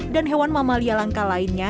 dan hewan mamalia langka lainnya